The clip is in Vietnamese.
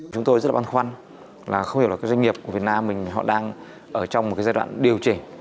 chúng tôi rất băn khoăn không hiểu doanh nghiệp của việt nam đang ở trong giai đoạn điều chỉnh